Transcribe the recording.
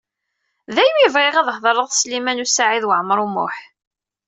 Daymi bɣiɣ ad hedreɣ d Sliman U Saɛid Waɛmaṛ U Muḥ.